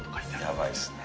やばいですね。